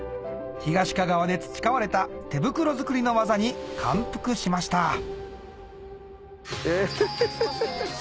東かがわで培われた手袋作りの技に感服しました